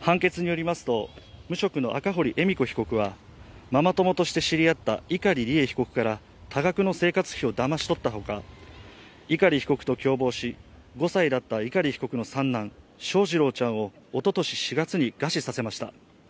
判決に寄りますと、無職の赤堀恵美子被告はママ友として知り合った碇利恵被告から多額の生活費をだまし取ったほか、碇被告と共謀し、５歳だった碇被告の三男、翔士郎ちゃんを、おととし４月に餓死させました。